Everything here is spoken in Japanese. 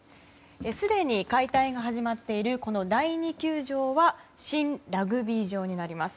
すでに解体が始まっているこの第二球場は新ラグビー場になります。